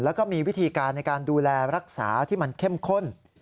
แล้วก็มีวิธีการในการดูแลรักษาที่มันเข้มข้น